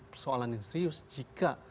persoalan yang serius jika